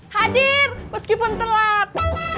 hadir meskipun telat